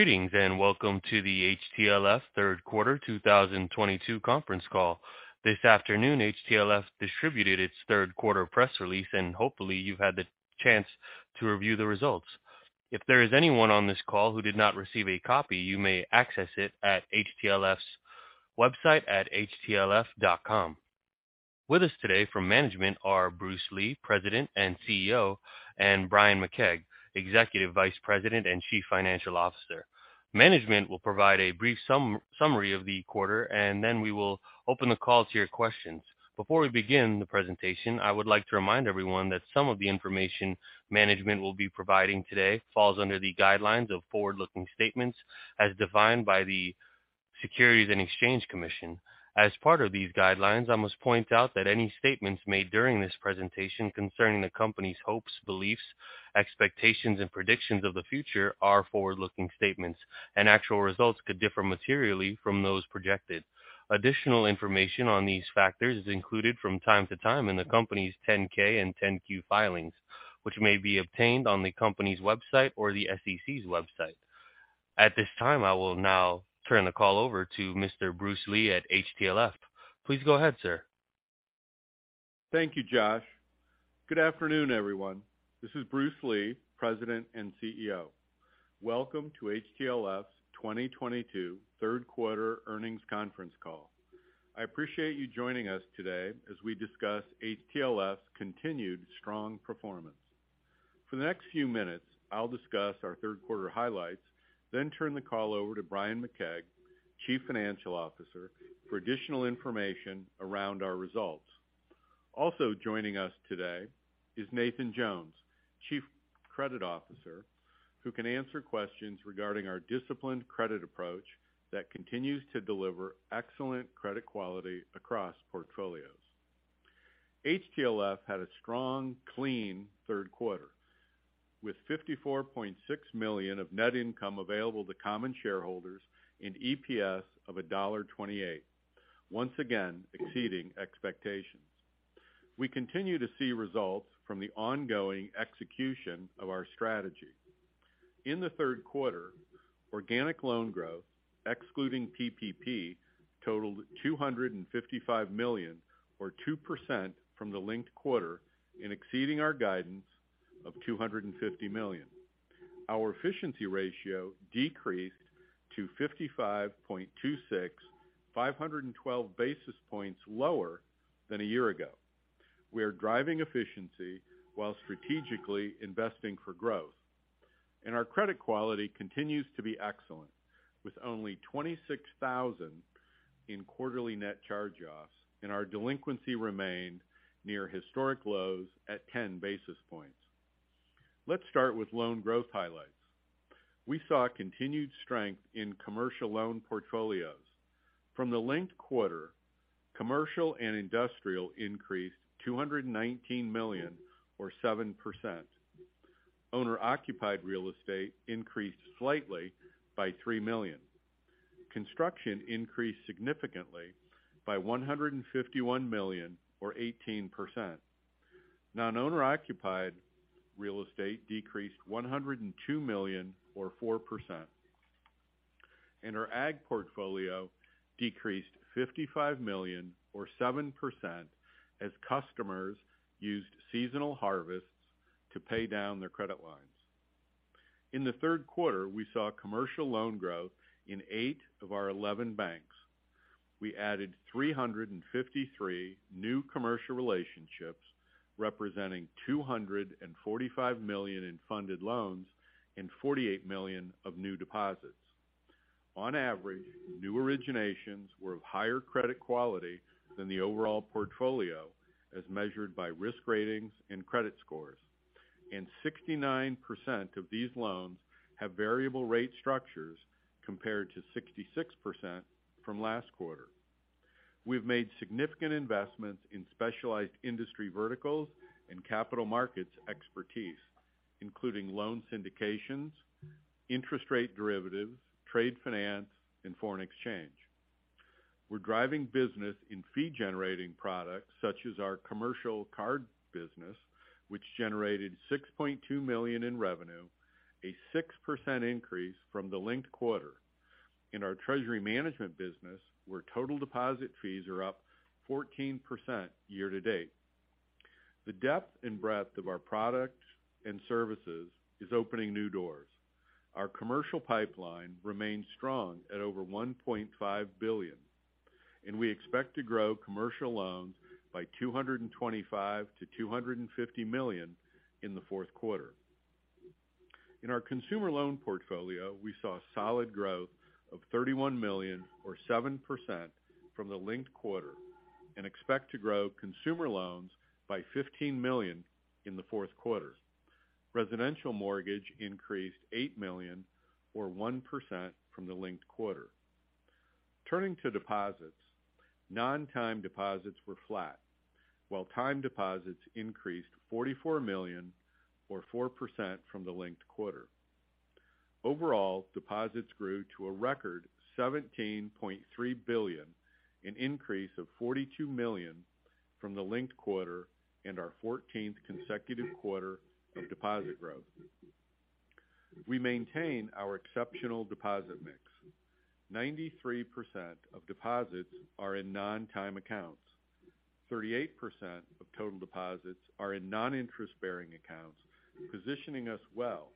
Greetings, and welcome to the HTLF third quarter 2022 conference call. This afternoon, HTLF distributed its third quarter press release, and hopefully, you've had the chance to review the results. If there is anyone on this call who did not receive a copy, you may access it at HTLF's website at htlf.com. With us today from management are Bruce Lee, President and CEO, and Bryan McKeag, Executive Vice President and Chief Financial Officer. Management will provide a brief summary of the quarter, and then we will open the call to your questions. Before we begin the presentation, I would like to remind everyone that some of the information management will be providing today falls under the guidelines of forward-looking statements as defined by the Securities and Exchange Commission. As part of these guidelines, I must point out that any statements made during this presentation concerning the company's hopes, beliefs, expectations, and predictions of the future are forward-looking statements, and actual results could differ materially from those projected. Additional information on these factors is included from time to time in the company's 10-K and 10-Q filings, which may be obtained on the company's website or the SEC's website. At this time, I will now turn the call over to Mr. Bruce Lee at HTLF. Please go ahead, sir. Thank you, Josh. Good afternoon, everyone. This is Bruce Lee, President and CEO. Welcome to HTLF's 2022 third quarter earnings conference call. I appreciate you joining us today as we discuss HTLF's continued strong performance. For the next few minutes, I'll discuss our third quarter highlights, then turn the call over to Bryan McKeag, Chief Financial Officer, for additional information around our results. Also joining us today is Nathan Jones, Chief Credit Officer, who can answer questions regarding our disciplined credit approach that continues to deliver excellent credit quality across portfolios. HTLF had a strong, clean third quarter with $54.6 million of net income available to common shareholders and EPS of $1.28. Once again, exceeding expectations. We continue to see results from the ongoing execution of our strategy. In the third quarter, organic loan growth, excluding PPP, totaled $255 million or 2% from the linked quarter, exceeding our guidance of $250 million. Our efficiency ratio decreased to 55.26, 512 basis points lower than a year ago. We are driving efficiency while strategically investing for growth. Our credit quality continues to be excellent, with only $26,000 in quarterly net charge-offs, and our delinquency remained near historic lows at 10 basis points. Let's start with loan growth highlights. We saw continued strength in commercial loan portfolios. From the linked quarter, commercial and industrial increased $219 million or 7%. Owner-occupied real estate increased slightly by $3 million. Construction increased significantly by $151 million or 18%. Non-owner-occupied real estate decreased $102 million or 4%. Our ag portfolio decreased $55 million or 7% as customers used seasonal harvests to pay down their credit lines. In the third quarter, we saw commercial loan growth in eight of our 11 banks. We added 353 new commercial relationships, representing $245 million in funded loans and $48 million of new deposits. On average, new originations were of higher credit quality than the overall portfolio, as measured by risk ratings and credit scores. Sixty-nine percent of these loans have variable rate structures compared to 66% from last quarter. We've made significant investments in specialized industry verticals and capital markets expertise, including loan syndications, interest rate derivatives, trade finance, and foreign exchange. We're driving business in fee-generating products such as our commercial card business, which generated $6.2 million in revenue, a 6% increase from the linked quarter. In our treasury management business, where total deposit fees are up 14% year to date. The depth and breadth of our product and services is opening new doors. Our commercial pipeline remains strong at over $1.5 billion, and we expect to grow commercial loans by $225 million-$250 million in the fourth quarter. In our consumer loan portfolio, we saw solid growth of $31 million or 7% from the linked quarter and expect to grow consumer loans by $15 million in the fourth quarter. Residential mortgage increased $8 million or 1% from the linked quarter. Turning to deposits. Non-time deposits were flat, while time deposits increased $44 million or 4% from the linked quarter. Overall, deposits grew to a record $17.3 billion, an increase of $42 million from the linked quarter and our 14th consecutive quarter of deposit growth. We maintain our exceptional deposit mix. 93% of deposits are in non-time accounts. 38% of total deposits are in non-interest-bearing accounts, positioning us well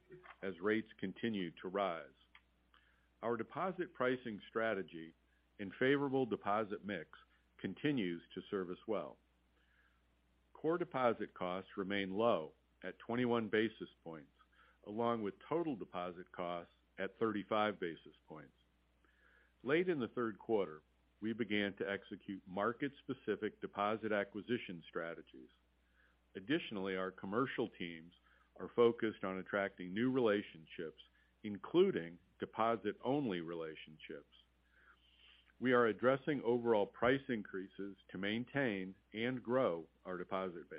as rates continue to rise. Our deposit pricing strategy and favorable deposit mix continues to serve us well. Core deposit costs remain low at 21 basis points, along with total deposit costs at 35 basis points. Late in the third quarter, we began to execute market-specific deposit acquisition strategies. Additionally, our commercial teams are focused on attracting new relationships, including deposit-only relationships. We are addressing overall price increases to maintain and grow our deposit base.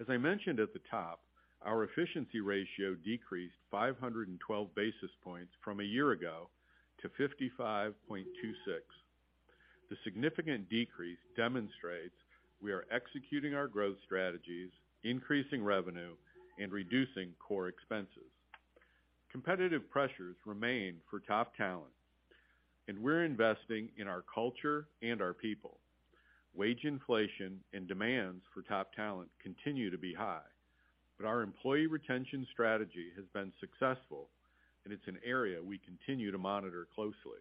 As I mentioned at the top, our efficiency ratio decreased 512 basis points from a year ago to 55.26. The significant decrease demonstrates we are executing our growth strategies, increasing revenue and reducing core expenses. Competitive pressures remain for top talent, and we're investing in our culture and our people. Wage inflation and demands for top talent continue to be high, but our employee retention strategy has been successful, and it's an area we continue to monitor closely.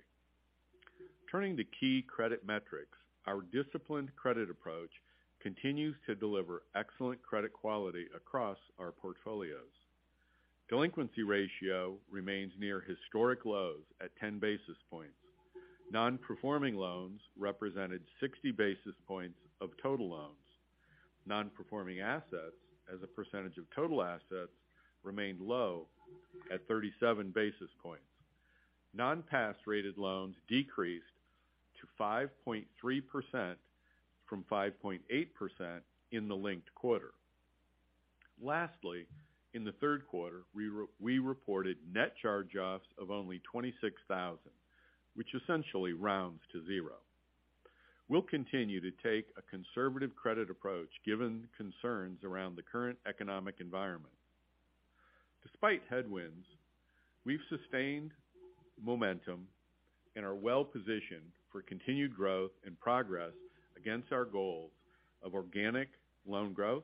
Turning to key credit metrics. Our disciplined credit approach continues to deliver excellent credit quality across our portfolios. Delinquency ratio remains near historic lows at 10 basis points. Non-performing loans represented 60 basis points of total loans. Non-performing assets as a percentage of total assets remained low at 37 basis points. Non-pass rated loans decreased to 5.3% from 5.8% in the linked quarter. Lastly, in the third quarter, we reported net charge-offs of only $26,000, which essentially rounds to zero. We'll continue to take a conservative credit approach given concerns around the current economic environment. Despite headwinds, we've sustained momentum and are well-positioned for continued growth and progress against our goals of organic loan growth,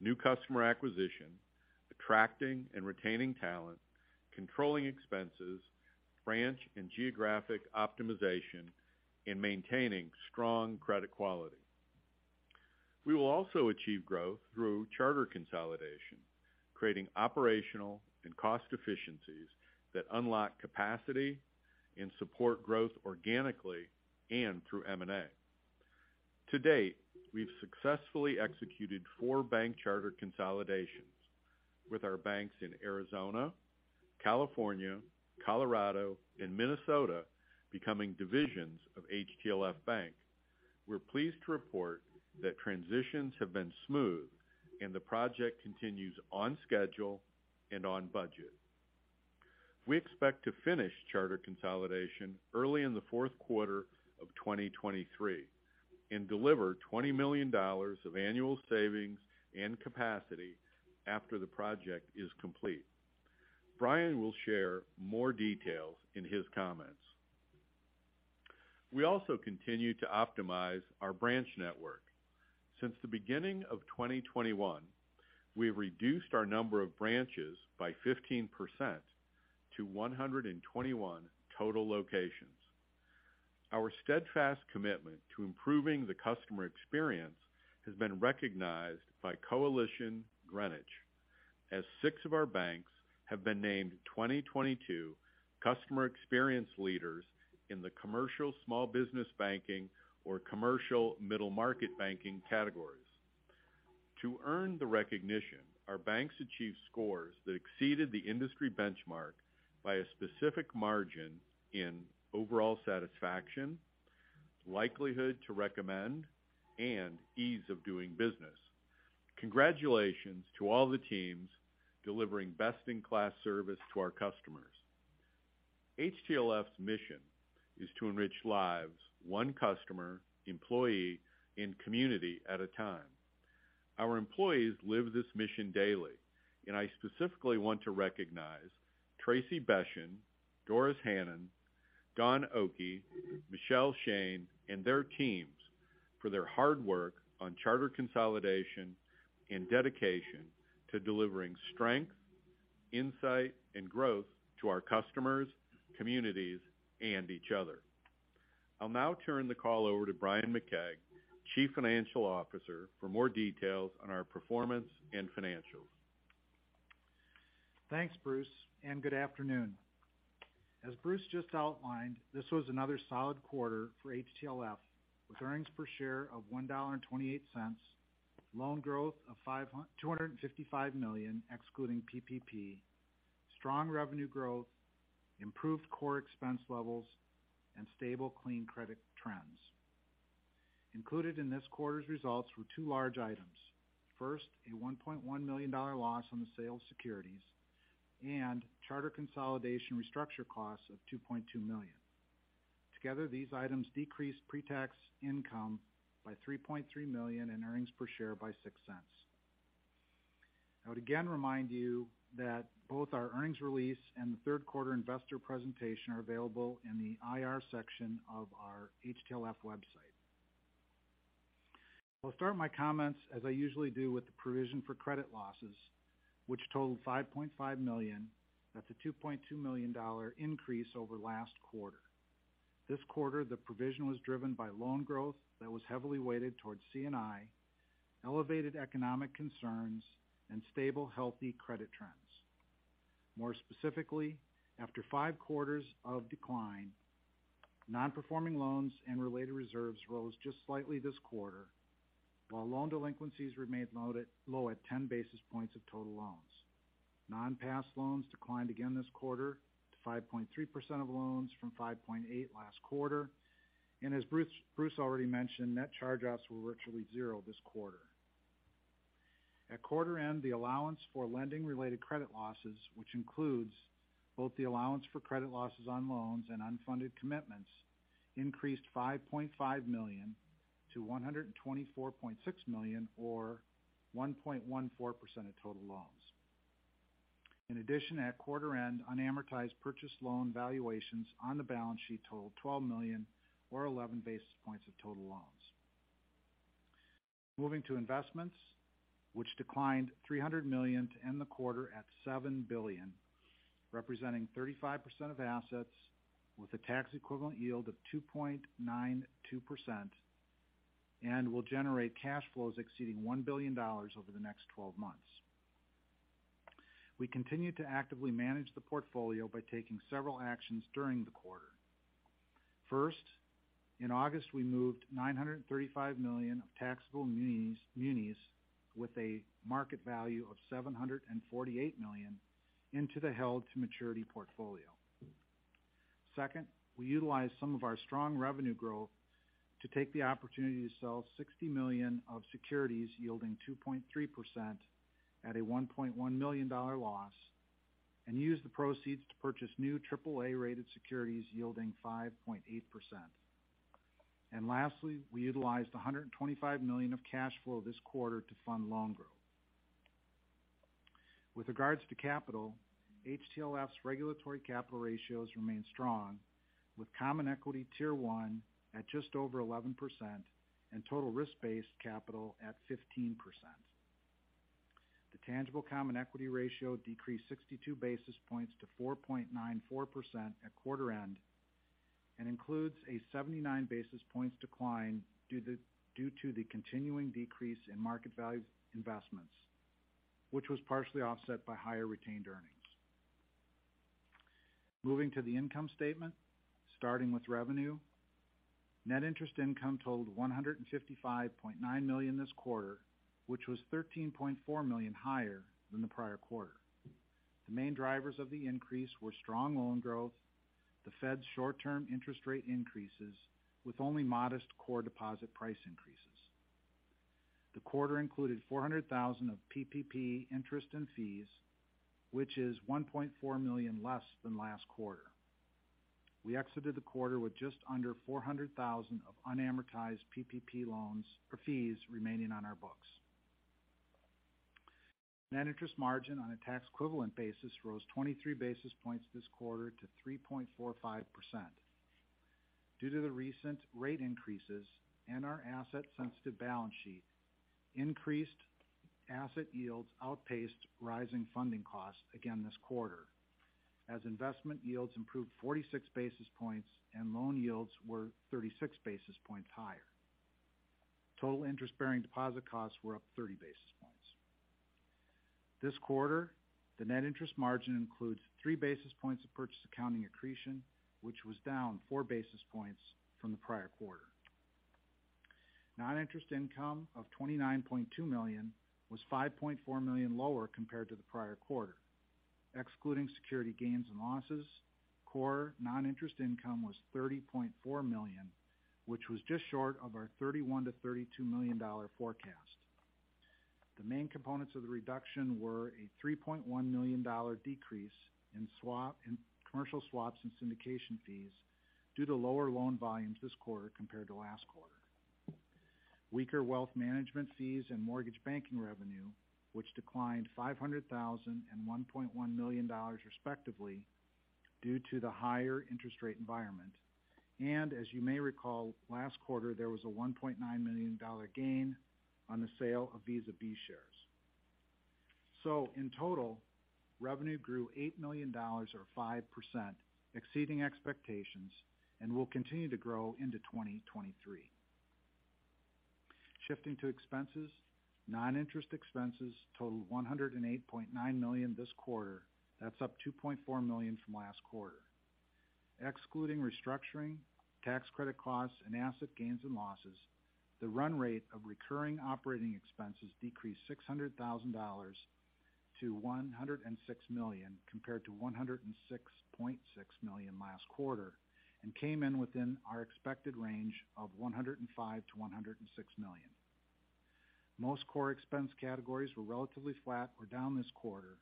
new customer acquisition, attracting and retaining talent, controlling expenses, branch and geographic optimization, and maintaining strong credit quality. We will also achieve growth through charter consolidation, creating operational and cost efficiencies that unlock capacity and support growth organically and through M&A. To date, we've successfully executed 4 bank charter consolidations with our banks in Arizona, California, Colorado and Minnesota becoming divisions of HTLF Bank. We're pleased to report that transitions have been smooth and the project continues on schedule and on budget. We expect to finish charter consolidation early in the fourth quarter of 2023 and deliver $20 million of annual savings and capacity after the project is complete. Bryan will share more details in his comments. We also continue to optimize our branch network. Since the beginning of 2021, we've reduced our number of branches by 15% to 121 total locations. Our steadfast commitment to improving the customer experience has been recognized by Coalition Greenwich as six of our banks have been named 2022 Customer Experience Leaders in the commercial small business banking or commercial middle market banking categories. To earn the recognition, our banks achieved scores that exceeded the industry benchmark by a specific margin in overall satisfaction, likelihood to recommend, and ease of doing business. Congratulations to all the teams delivering best-in-class service to our customers. HTLF's mission is to enrich lives one customer, employee, and community at a time. Our employees live this mission daily, and I specifically want to recognize Tracy Bechen, Doris Hannon, Don Oakey, Michelle Shane, and their teams for their hard work on charter consolidation and dedication to delivering strength, insight, and growth to our customers, communities, and each other. I'll now turn the call over to Bryan McKeag, Chief Financial Officer, for more details on our performance and financials. Thanks, Bruce, and good afternoon. As Bruce just outlined, this was another solid quarter for HTLF, with earnings per share of $1.28, loan growth of $255 million, excluding PPP, strong revenue growth, improved core expense levels, and stable clean credit trends. Included in this quarter's results were two large items. First, a $1.1 million loss on the sale of securities. Charter consolidation restructure costs of $2.2 million. Together, these items decreased pretax income by $3.3 million and earnings per share by $0.06. I would again remind you that both our earnings release and the third quarter investor presentation are available in the IR section of our HTLF website. I'll start my comments, as I usually do, with the provision for credit losses, which totaled $5.5 million. That's a $2.2 million increase over last quarter. This quarter, the provision was driven by loan growth that was heavily weighted towards C&I, elevated economic concerns, and stable, healthy credit trends. More specifically, after five quarters of decline, non-performing loans and related reserves rose just slightly this quarter, while loan delinquencies remained low at 10 basis points of total loans. Non-pass loans declined again this quarter to 5.3% of loans from 5.8% last quarter. As Bruce already mentioned, net charge-offs were virtually zero this quarter. At quarter end, the allowance for lending-related credit losses, which includes both the allowance for credit losses on loans and unfunded commitments, increased $5.5 million to $124.6 million or 1.14% of total loans. In addition, at quarter end, unamortized purchase loan valuations on the balance sheet totaled $12 million or 11 basis points of total loans. Moving to investments, which declined $300 million to end the quarter at $7 billion, representing 35% of assets with a tax-equivalent yield of 2.92% and will generate cash flows exceeding $1 billion over the next 12 months. We continue to actively manage the portfolio by taking several actions during the quarter. First, in August, we moved $935 million of taxable munis with a market value of $748 million into the held-to-maturity portfolio. Second, we utilized some of our strong revenue growth to take the opportunity to sell $60 million of securities yielding 2.3% at a $1.1 million loss and use the proceeds to purchase new AAA-rated securities yielding 5.8%. Lastly, we utilized $125 million of cash flow this quarter to fund loan growth. With regards to capital, HTLF's regulatory capital ratios remain strong with Common Equity Tier 1 at just over 11% and total risk-based capital at 15%. The tangible common equity ratio decreased 62 basis points to 4.94% at quarter end and includes a 79 basis points decline due to the continuing decrease in market value investments, which was partially offset by higher retained earnings. Moving to the income statement, starting with revenue. Net interest income totaled $155.9 million this quarter, which was $13.4 million higher than the prior quarter. The main drivers of the increase were strong loan growth, the Fed's short-term interest rate increases with only modest core deposit price increases. The quarter included $400,000 of PPP interest and fees, which is $1.4 million less than last quarter. We exited the quarter with just under $400,000 of unamortized PPP loans or fees remaining on our books. Net interest margin on a tax equivalent basis rose 23 basis points this quarter to 3.45%. Due to the recent rate increases and our asset-sensitive balance sheet, increased asset yields outpaced rising funding costs again this quarter as investment yields improved 46 basis points and loan yields were 36 basis points higher. Total interest-bearing deposit costs were up 30 basis points. This quarter, the net interest margin includes 3 basis points of purchase accounting accretion, which was down 4 basis points from the prior quarter. Non-interest income of $29.2 million was $5.4 million lower compared to the prior quarter. Excluding security gains and losses, core non-interest income was $30.4 million, which was just short of our $31 million-$32 million dollar forecast. The main components of the reduction were a $3.1 million dollar decrease in commercial swaps and syndication fees due to lower loan volumes this quarter compared to last quarter. Weaker wealth management fees and mortgage banking revenue, which declined $500,000 and $1.1 million dollars respectively due to the higher interest rate environment. As you may recall, last quarter there was a $1.9 million gain on the sale of Visa B shares. In total, revenue grew $8 million or 5%, exceeding expectations, and will continue to grow into 2023. Shifting to expenses. Non-interest expenses totaled $108.9 million this quarter. That's up $2.4 million from last quarter. Excluding restructuring, tax credit costs, and asset gains and losses, the run rate of recurring operating expenses decreased $600,000 to $106 million, compared to $106.6 million last quarter and came in within our expected range of $105 million-$106 million. Most core expense categories were relatively flat or down this quarter,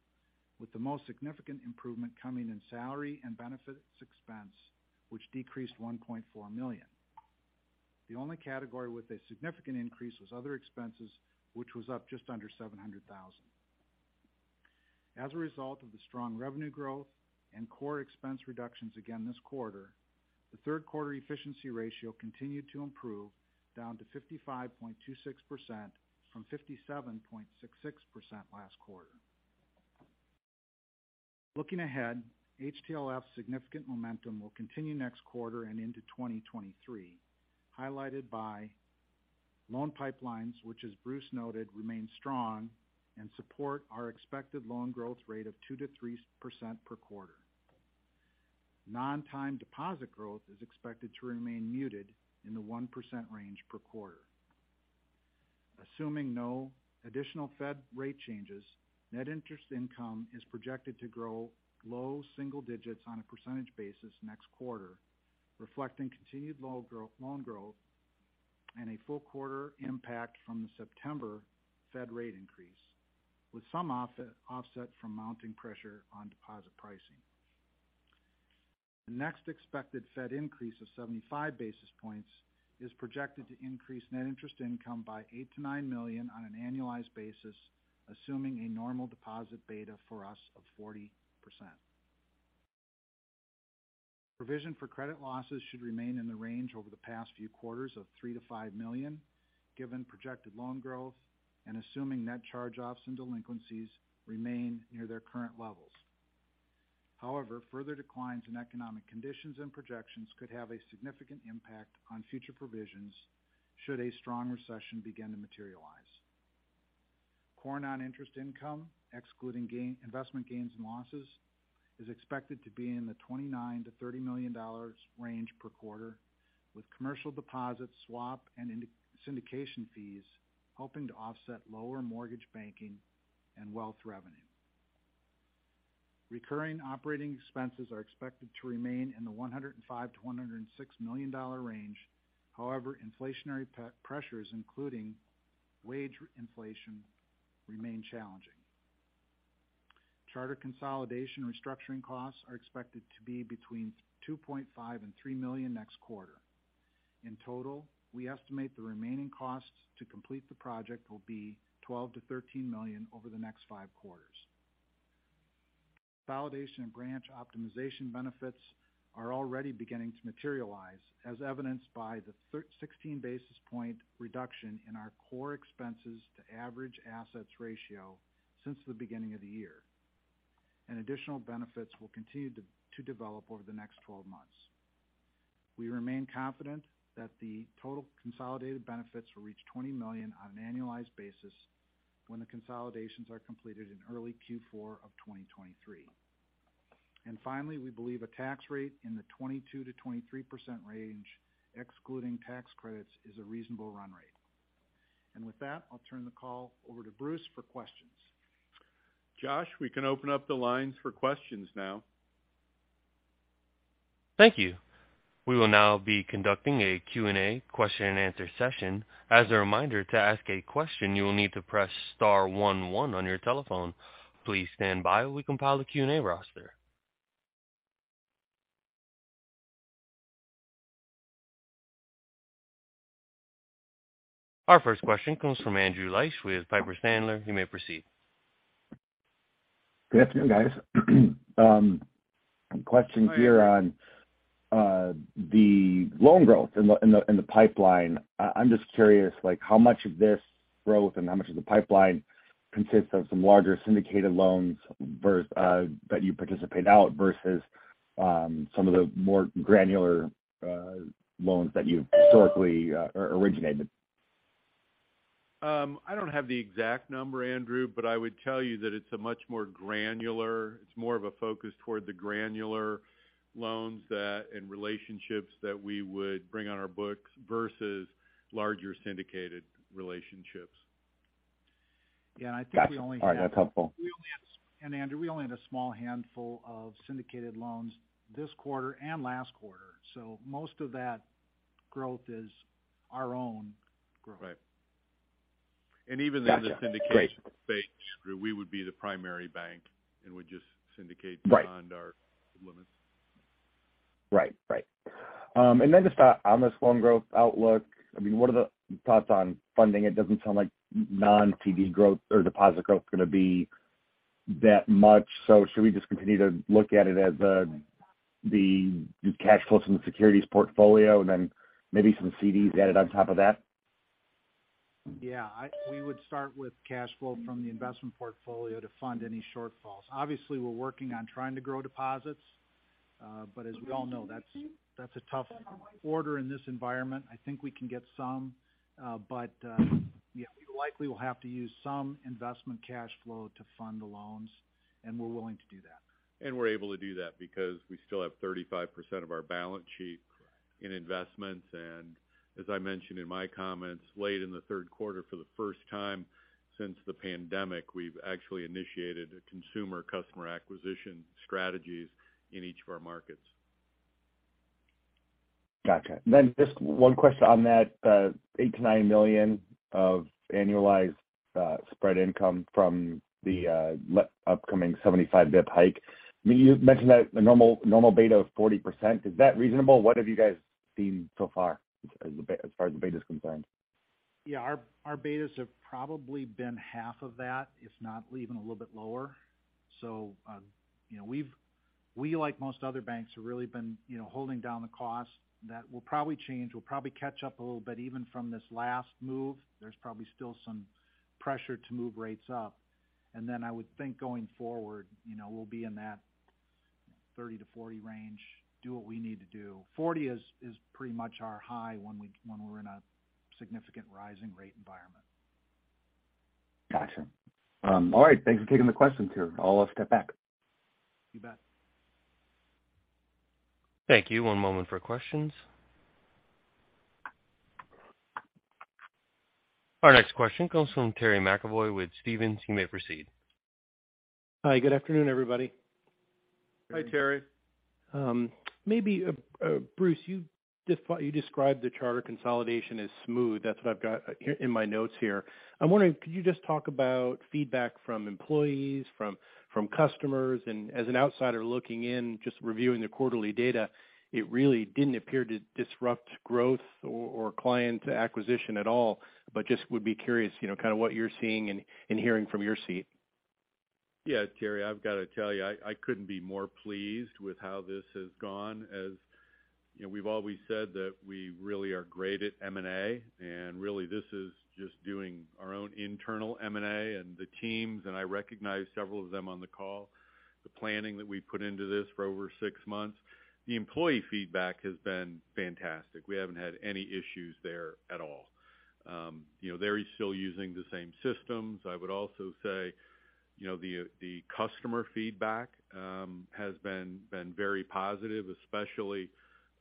with the most significant improvement coming in salary and benefits expense, which decreased $1.4 million. The only category with a significant increase was other expenses, which was up just under $700,000. As a result of the strong revenue growth and core expense reductions again this quarter, the third quarter efficiency ratio continued to improve down to 55.26% from 57.66% last quarter. Looking ahead, HTLF's significant momentum will continue next quarter and into 2023, highlighted by loan pipelines, which as Bruce noted, remain strong and support our expected loan growth rate of 2%-3% per quarter. Non-time deposit growth is expected to remain muted in the 1% range per quarter. Assuming no additional Fed rate changes, net interest income is projected to grow low single digits% next quarter, reflecting continued loan growth and a full quarter impact from the September Fed rate increase, with some offset from mounting pressure on deposit pricing. The next expected Fed increase of 75 basis points is projected to increase net interest income by $8 million-$9 million on an annualized basis, assuming a normal deposit beta for us of 40%. Provision for credit losses should remain in the range over the past few quarters of $3 million-$5 million, given projected loan growth and assuming net charge-offs and delinquencies remain near their current levels. However, further declines in economic conditions and projections could have a significant impact on future provisions should a strong recession begin to materialize. Core non-interest income, excluding investment gains and losses, is expected to be in the $29 million-$30 million range per quarter, with commercial deposits, swap, and syndication fees helping to offset lower mortgage banking and wealth revenue. Recurring operating expenses are expected to remain in the $105 million-$106 million range. However, inflationary pressures, including wage inflation, remain challenging. Charter consolidation restructuring costs are expected to be between $2.5 million and $3 million next quarter. In total, we estimate the remaining costs to complete the project will be $12 million-$13 million over the next five quarters. Consolidation and branch optimization benefits are already beginning to materialize, as evidenced by the 16 basis point reduction in our core expenses to average assets ratio since the beginning of the year. Additional benefits will continue to develop over the next 12 months. We remain confident that the total consolidated benefits will reach $20 million on an annualized basis when the consolidations are completed in early Q4 of 2023. Finally, we believe a tax rate in the 22%-23% range, excluding tax credits, is a reasonable run rate. With that, I'll turn the call over to Bruce for questions. Josh, we can open up the lines for questions now. Thank you. We will now be conducting a Q&A, question and answer session. As a reminder, to ask a question, you will need to press star one one on your telephone. Please stand by while we compile the Q&A roster. Our first question comes from Andrew Liesch with Piper Sandler. You may proceed. Good afternoon, guys. Question here on the loan growth in the pipeline. I'm just curious, like, how much of this growth and how much of the pipeline consists of some larger syndicated loans that you participate out versus some of the more granular loans that you've historically originated? I don't have the exact number, Andrew, but I would tell you that it's more of a focus toward the granular loans and relationships that we would bring on our books versus larger syndicated relationships. Yeah. I think we only have. Got you. All right, that's helpful. Andrew, we only had a small handful of syndicated loans this quarter and last quarter. Most of that growth is our own growth. Right. Got you. Great. Even in the syndication phase, Andrew, we would be the primary bank and would just syndicate. Right Beyond our limits. Right. Just on this loan growth outlook, I mean, what are the thoughts on funding? It doesn't sound like non-CD growth or deposit growth is gonna be that much. Should we just continue to look at it as the cash flows from the securities portfolio and then maybe some CDs added on top of that? Yeah. We would start with cash flow from the investment portfolio to fund any shortfalls. Obviously, we're working on trying to grow deposits. But as we all know, that's a tough order in this environment. I think we can get some, but yeah, we likely will have to use some investment cash flow to fund the loans, and we're willing to do that. We're able to do that because we still have 35% of our balance sheet in investments. As I mentioned in my comments, late in the third quarter for the first time since the pandemic, we've actually initiated consumer customer acquisition strategies in each of our markets. Gotcha. Just one question on that, $8 million-$9 million of annualized spread income from the upcoming 75 BP hike. I mean, you mentioned that a normal beta of 40%. Is that reasonable? What have you guys seen so far as far as the beta's concerned? Yeah. Our betas have probably been half of that, if not even a little bit lower. You know, we, like most other banks, have really been, you know, holding down the cost. That will probably change. We'll probably catch up a little bit even from this last move. There's probably still some pressure to move rates up. Then I would think going forward, you know, we'll be in that 30%-40% range, do what we need to do. 40 is pretty much our high when we're in a significant rising rate environment. Gotcha. All right. Thanks for taking the questions here. I'll step back. You bet. Thank you. One moment for questions. Our next question comes from Terry McEvoy with Stephens. You may proceed. Hi. Good afternoon, everybody. Hi, Terry. Maybe, Bruce, you described the charter consolidation as smooth. That's what I've got here in my notes here. I'm wondering, could you just talk about feedback from employees, from customers? As an outsider looking in, just reviewing the quarterly data, it really didn't appear to disrupt growth or client acquisition at all. Just would be curious, you know, kind of what you're seeing and hearing from your seat. Yeah. Terry, I've got to tell you, I couldn't be more pleased with how this has gone. You know, we've always said that we really are great at M&A, and really this is just doing our own internal M&A. The teams, I recognize several of them on the call, the planning that we put into this for over 6 months. The employee feedback has been fantastic. We haven't had any issues there at all. You know, they're still using the same systems. I would also say, you know, the customer feedback has been very positive, especially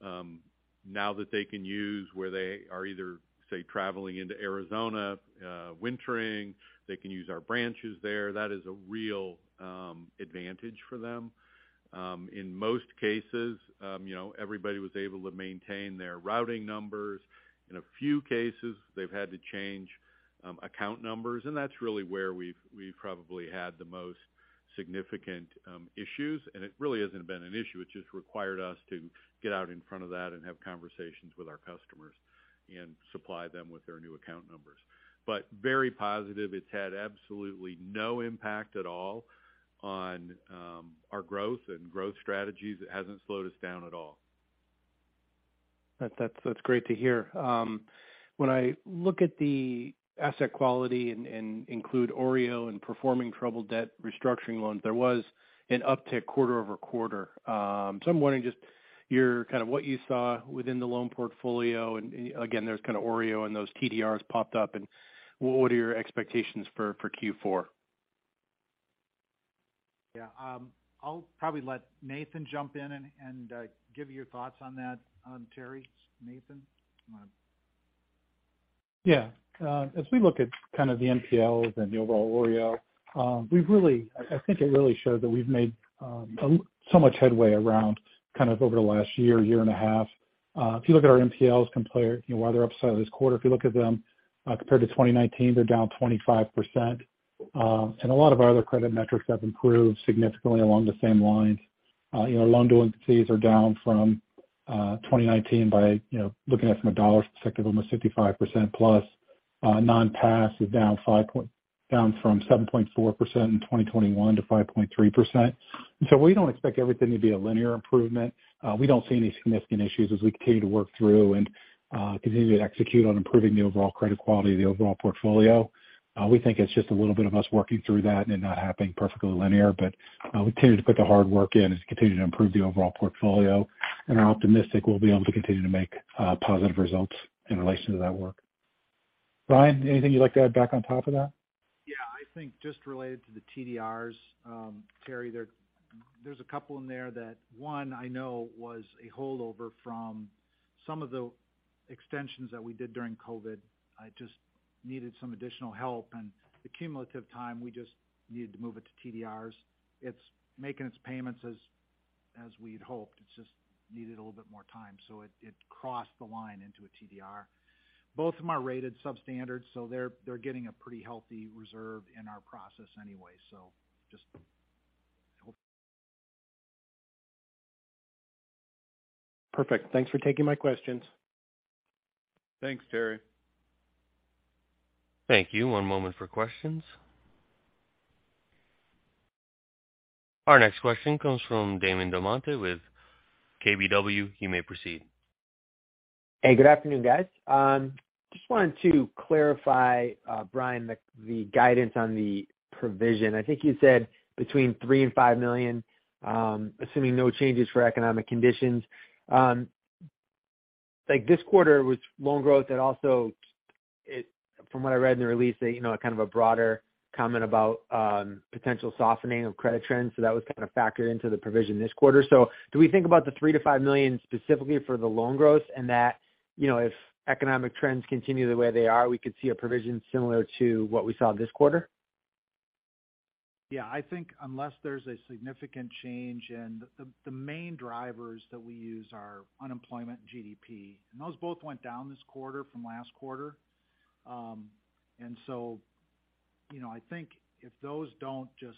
now that they can use where they are either, say, traveling into Arizona, wintering, they can use our branches there. That is a real advantage for them. In most cases, you know, everybody was able to maintain their routing numbers. In a few cases, they've had to change account numbers, and that's really where we've probably had the most significant issues. It really hasn't been an issue. It's just required us to get out in front of that and have conversations with our customers and supply them with their new account numbers. Very positive. It's had absolutely no impact at all on our growth and growth strategies. It hasn't slowed us down at all. That's great to hear. When I look at the asset quality and include OREO and performing troubled debt restructuring loans, there was an uptick quarter-over-quarter. I'm wondering just your kind of what you saw within the loan portfolio. Again, there's kind of OREO and those TDRs popped up, and what are your expectations for Q4? Yeah. I'll probably let Nathan jump in and give you your thoughts on that, Terry. Nathan, come on. Yeah. As we look at kind of the NPLs and the overall OREO, I think it really shows that we've made so much headway around kind of over the last year and a half. If you look at our NPLs compared, you know, while they're up slightly this quarter, if you look at them compared to 2019, they're down 25%. And a lot of our other credit metrics have improved significantly along the same lines. You know, loan delinquencies are down from 2019 by, you know, looking at it from a dollar perspective, almost 55% plus. Non-pass is down from 7.4% in 2021 to 5.3%. We don't expect everything to be a linear improvement. We don't see any significant issues as we continue to work through and continue to execute on improving the overall credit quality of the overall portfolio. We think it's just a little bit of us working through that and not happening perfectly linear. We continue to put the hard work in as we continue to improve the overall portfolio, and are optimistic we'll be able to continue to make positive results in relation to that work. Bryan, anything you'd like to add back on top of that? Yeah. I think just related to the TDRs, Terry, there's a couple in there that one I know was a holdover from some of the extensions that we did during COVID, just needed some additional help. The cumulative time, we just needed to move it to TDRs. It's making its payments as we'd hoped. It just needed a little bit more time, so it crossed the line into a TDR. Both of them are rated substandard, so they're getting a pretty healthy reserve in our process anyway. Just hope. Perfect. Thanks for taking my questions. Thanks, Terry. Thank you. One moment for questions. Our next question comes from Damon DelMonte with KBW. You may proceed. Hey, good afternoon, guys. Just wanted to clarify, Bryan, the guidance on the provision. I think you said between $3 million and $5 million, assuming no changes for economic conditions. Like, this quarter with loan growth and also from what I read in the release, you know, kind of a broader comment about potential softening of credit trends. That was kind of factored into the provision this quarter. Do we think about the $3 million-$5 million specifically for the loan growth and that, you know, if economic trends continue the way they are, we could see a provision similar to what we saw this quarter? Yeah, I think unless there's a significant change and the main drivers that we use are unemployment, GDP, and those both went down this quarter from last quarter. You know, I think if those don't just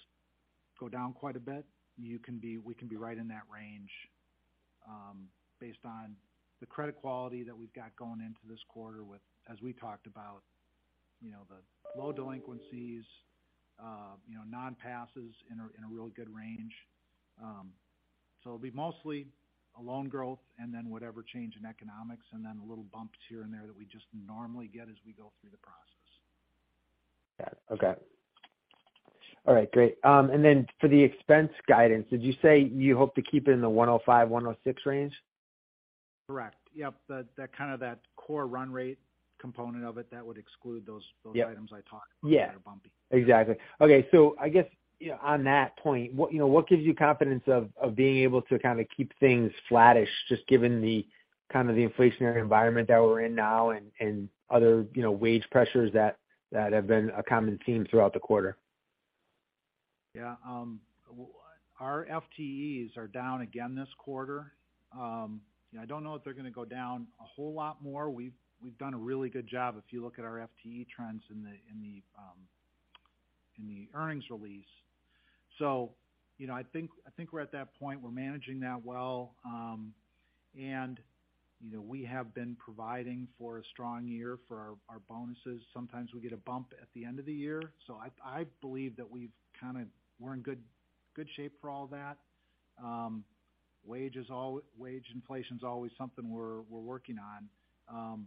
go down quite a bit, we can be right in that range, based on the credit quality that we've got going into this quarter with, as we talked about, you know, the low delinquencies, you know, non-passes in a really good range. It'll be mostly a loan growth and then whatever change in economics, and then little bumps here and there that we just normally get as we go through the process. Got it. Okay. All right, great. For the expense guidance, did you say you hope to keep it in the $105-$106 range? Correct. Yep. The kind of that core run rate component of it that would exclude those- Yep. items I talked about Yeah. that are bumpy. Exactly. Okay. I guess, you know, on that point, what, you know, what gives you confidence of being able to kind of keep things flattish, just given the kind of the inflationary environment that we're in now and other, you know, wage pressures that have been a common theme throughout the quarter? Yeah. Our FTEs are down again this quarter. You know, I don't know if they're gonna go down a whole lot more. We've done a really good job if you look at our FTE trends in the earnings release. You know, I think we're at that point. We're managing that well. You know, we have been providing for a strong year for our bonuses. Sometimes we get a bump at the end of the year. I believe that we're in good shape for all that. Wage inflation's always something we're working on,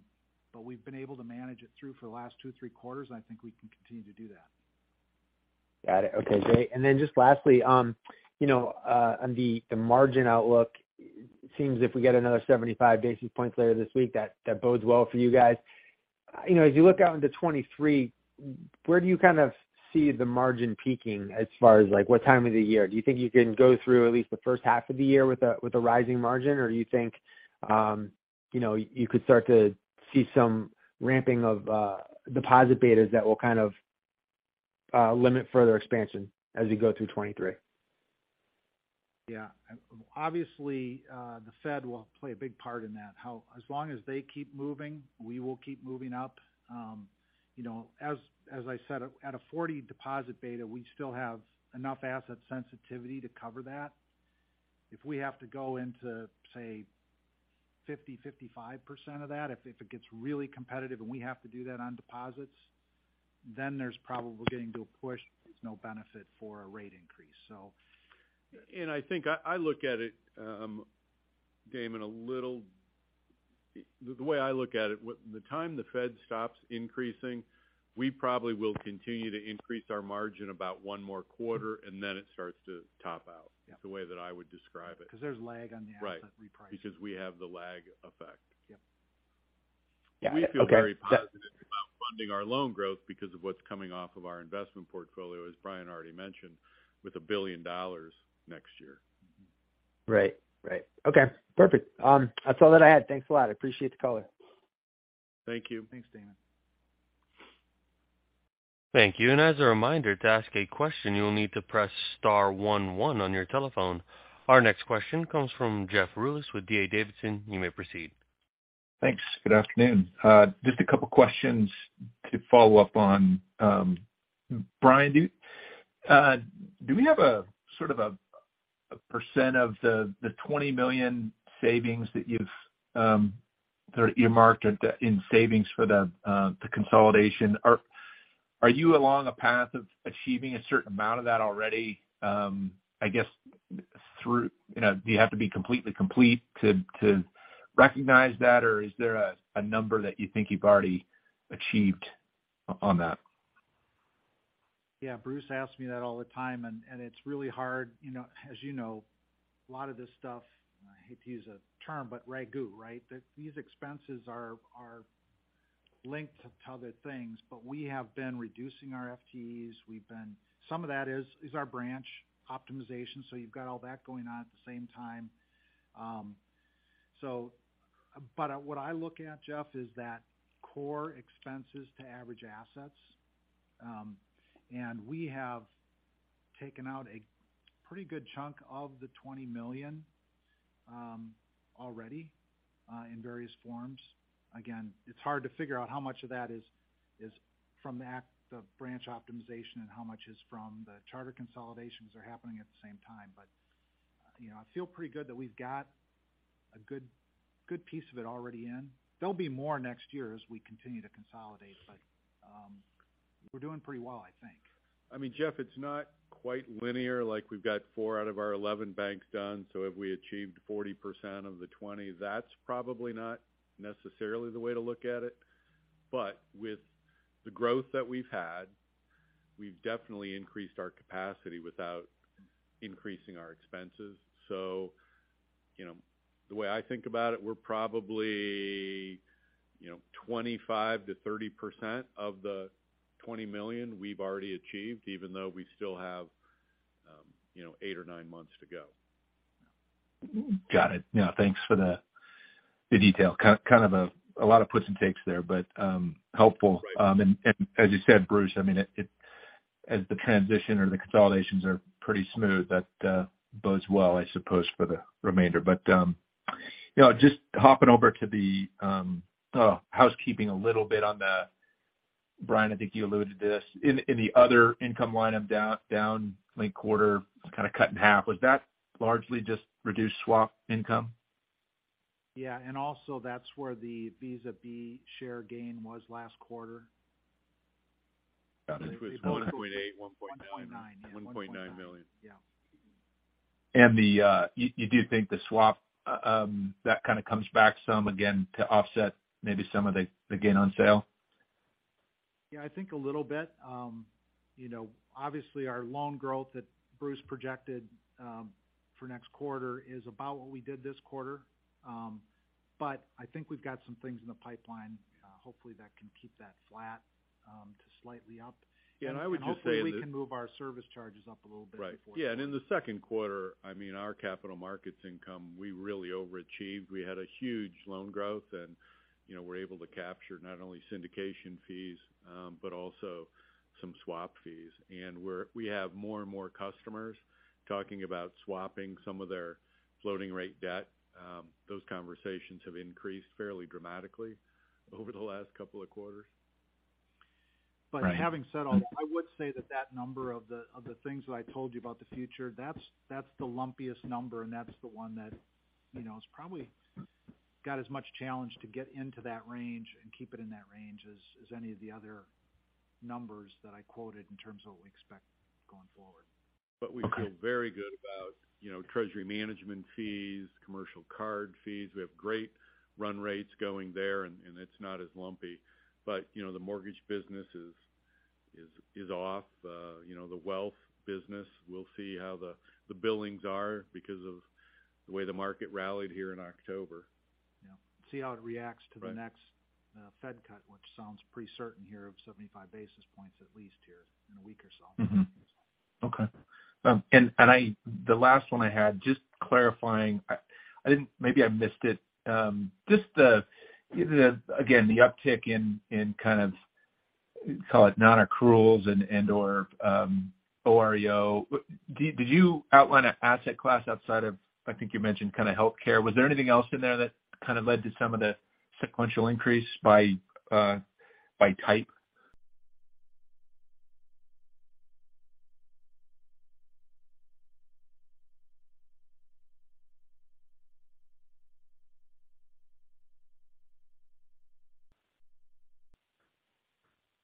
but we've been able to manage it through for the last two, three quarters, and I think we can continue to do that. Got it. Okay, great. Just lastly, you know, on the margin outlook, it seems if we get another 75 basis points later this week, that bodes well for you guys. You know, as you look out into 2023, where do you kind of see the margin peaking as far as, like, what time of the year? Do you think you can go through at least the first half of the year with a rising margin? Or do you think, you know, you could start to see some ramping of deposit betas that will kind of limit further expansion as you go through 2023? Yeah. Obviously, the Fed will play a big part in that. As long as they keep moving, we will keep moving up. You know, as I said, at a 40 deposit beta, we still have enough asset sensitivity to cover that. If we have to go into, say, 50, 55% of that, if it gets really competitive and we have to do that on deposits, then there's probably getting to a push. There's no benefit for a rate increase, so. I think I look at it, Damon, a little. The way I look at it, when the Fed stops increasing, we probably will continue to increase our margin about 1 more quarter, and then it starts to top out. Yeah. It's the way that I would describe it. Because there's lag on the asset repricing. Right. Because we have the lag effect. Yep. Yeah. Okay. We feel very positive about funding our loan growth because of what's coming off of our investment portfolio, as Bryan already mentioned, with $1 billion next year. Right. Okay, perfect. That's all that I had. Thanks a lot. I appreciate the call. Thank you. Thanks, Damon. Thank you. As a reminder, to ask a question, you will need to press star one one on your telephone. Our next question comes from Jeff Rulis with D.A. Davidson. You may proceed. Thanks. Good afternoon. Just a couple questions to follow up on, Bryan McKeag, do we have a sort of percent of the $20 million savings that you've sort of earmarked in savings for the consolidation? Are you along a path of achieving a certain amount of that already? I guess through, you know, do you have to be completely complete to recognize that? Or is there a number that you think you've already achieved on that? Yeah, Bruce asks me that all the time, and it's really hard. You know, as you know, a lot of this stuff, I hate to use a term, but ragu, right? These expenses are linked to other things, but we have been reducing our FTEs. Some of that is our branch optimization, so you've got all that going on at the same time. What I look at, Jeff, is that core expenses to average assets. We have taken out a pretty good chunk of the $20 million already in various forms. Again, it's hard to figure out how much of that is from the act of branch optimization and how much is from the charter consolidations are happening at the same time. you know, I feel pretty good that we've got a good piece of it already in. There'll be more next year as we continue to consolidate, but we're doing pretty well, I think. I mean, Jeff, it's not quite linear. Like, we've got 4 out of our 11 banks done. If we achieved 40% of the 20, that's probably not necessarily the way to look at it. With the growth that we've had, we've definitely increased our capacity without increasing our expenses. You know, the way I think about it, we're probably, you know, 25%-30% of the $20 million we've already achieved, even though we still have, you know, 8 or 9 months to go. Got it. Yeah, thanks for the detail. Kind of a lot of puts and takes there, but helpful. Right. As you said, Bruce, I mean, as the transition or the consolidations are pretty smooth, that bodes well, I suppose, for the remainder. You know, just hopping over to the housekeeping a little bit. Bryan, I think you alluded to this. In the other income line, down linked-quarter, was kind of cut in half. Was that largely just reduced swap income? Yeah. Also that's where the Visa B share gain was last quarter. It was 1.8, 1.9. 1.9, yeah. $1.9 million. Yeah. Do you think the swap that kind of comes back some again to offset maybe some of the gain on sale? Yeah, I think a little bit. You know, obviously, our loan growth that Bruce projected for next quarter is about what we did this quarter. I think we've got some things in the pipeline, hopefully that can keep that flat to slightly up. Yeah, I would just say that. Hopefully we can move our service charges up a little bit before. Right. Yeah, in the second quarter, I mean, our capital markets income, we really overachieved. We had a huge loan growth and, you know, we're able to capture not only syndication fees, but also some swap fees. We have more and more customers talking about swapping some of their floating rate debt. Those conversations have increased fairly dramatically over the last couple of quarters. Having said all that, I would say that number of the things that I told you about the future, that's the lumpiest number, and that's the one that, you know, it's probably got as much challenge to get into that range and keep it in that range as any of the other numbers that I quoted in terms of what we expect going forward. We feel very good about, you know, treasury management fees, commercial card fees. We have great run rates going there, and it's not as lumpy. You know, the mortgage business is off. You know, the wealth business, we'll see how the billings are because of the way the market rallied here in October. Yeah. See how it reacts to the next Fed cut, which sounds pretty certain here of 75 basis points at least here in a week or so. Mm-hmm. Okay. The last one I had, just clarifying. Maybe I missed it. Just again the uptick in kind of call it non-accruals and/or OREO. Did you outline an asset class outside of, I think you mentioned kind of healthcare? Was there anything else in there that kind of led to some of the sequential increase by type?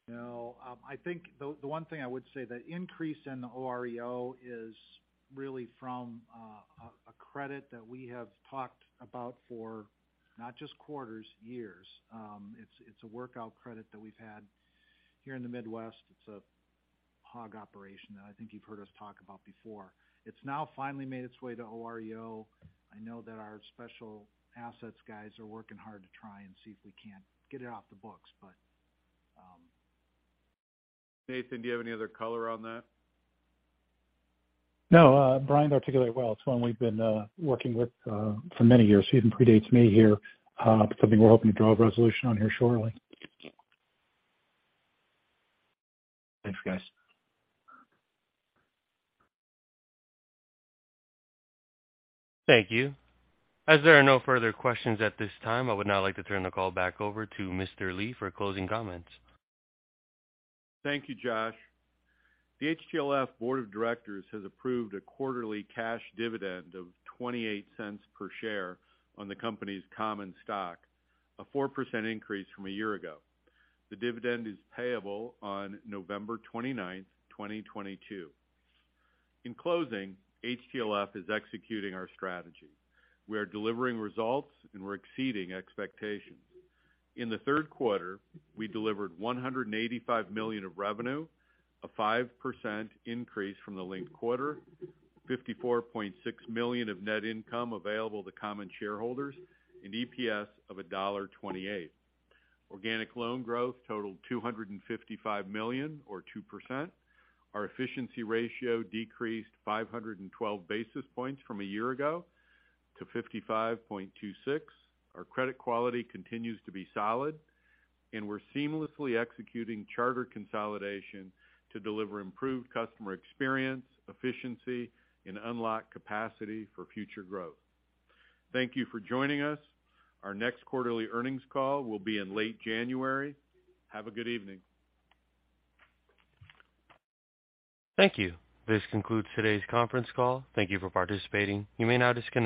No. I think the one thing I would say, the increase in the OREO is really from a credit that we have talked about for not just quarters, years. It's a workout credit that we've had here in the Midwest. It's a hog operation that I think you've heard us talk about before. It's now finally made its way to OREO. I know that our special assets guys are working hard to try and see if we can't get it off the books, but. Nathan, do you have any other color on that? No, Bryan articulated it well. It's one we've been working with for many years. Even predates me here. Something we're hoping to draw a resolution on here shortly. Thanks, guys. Thank you. As there are no further questions at this time, I would now like to turn the call back over to Mr. Lee for closing comments. Thank you, Josh. The HTLF board of directors has approved a quarterly cash dividend of $0.28 per share on the company's common stock, a 4% increase from a year ago. The dividend is payable on November 29, 2022. In closing, HTLF is executing our strategy. We are delivering results, and we're exceeding expectations. In the third quarter, we delivered $185 million of revenue, a 5% increase from the linked quarter, $54.6 million of net income available to common shareholders, and EPS of $1.28. Organic loan growth totaled $255 million or 2%. Our efficiency ratio decreased 512 basis points from a year ago to 55.26. Our credit quality continues to be solid, and we're seamlessly executing charter consolidation to deliver improved customer experience, efficiency, and unlock capacity for future growth. Thank you for joining us. Our next quarterly earnings call will be in late January. Have a good evening. Thank you. This concludes today's conference call. Thank you for participating. You may now disconnect.